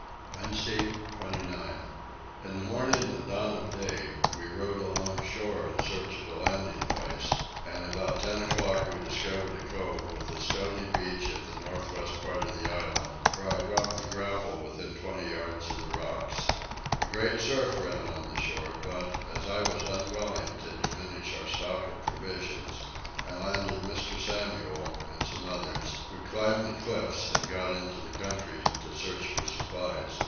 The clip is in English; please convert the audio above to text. Wednesday 29. In the morning at dawn of day we rowed along shore in search of a landing place, and about ten o'clock we discovered a cove with a stony beach at the north west part of the island, where I dropped the grapnel within 20 yards of the rocks. A great surf ran on the shore but, as I was unwilling to diminish our stock of provisions, I landed Mr. Samuel and some others, who climbed the cliffs and got into the country to search for supplies.